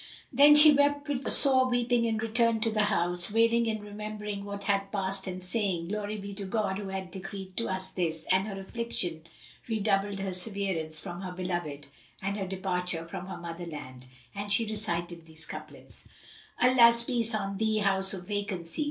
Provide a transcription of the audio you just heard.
Then she wept with sore weeping and returned to the house, wailing and remembering what had passed and saying, "Glory be to God who hath decreed to us this!" And her affliction redoubled for severance from her beloved and her departure from her mother land, and she recited these couplets, "Allah's peace on thee, House of Vacancy!